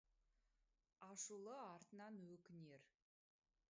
Ашулы артынан өкінер.